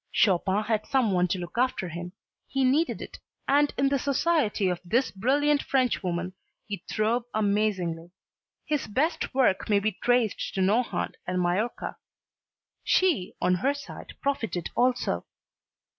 Chopin had some one to look after him he needed it and in the society of this brilliant Frenchwoman he throve amazingly: his best work may be traced to Nohant and Majorca. She on her side profited also.